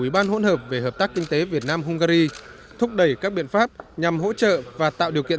ủy ban hỗn hợp về hợp tác kinh tế việt nam hungary thúc đẩy các biện pháp nhằm hỗ trợ và tạo điều kiện